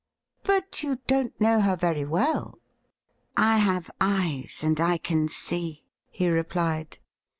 ' But you don't know her very well .?'' I have eyes, and I can see,' he replied.